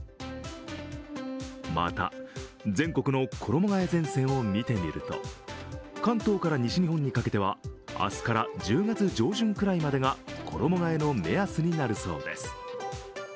また、全国の衣がえ前線を見てみると関東から西日本にかけては明日から１０月上旬ごろまでが衣がえの目安になるそうです。